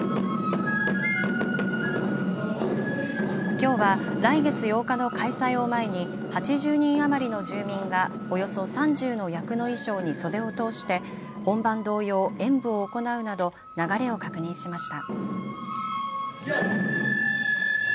きょうは来月８日の開催を前に８０人余りの住民がおよそ３０の役の衣装に袖を通して本番同様演舞を行うなど流れを確認しました。